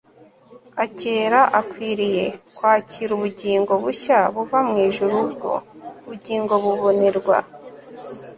akera akwiriye kwakirubugingo bushya buva mw ijuru Ubgo bugingo bubonerwa